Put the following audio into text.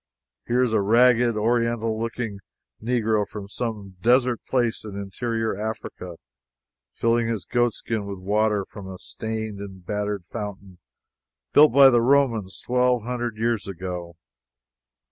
Here is a ragged, oriental looking Negro from some desert place in interior Africa, filling his goatskin with water from a stained and battered fountain built by the Romans twelve hundred years ago.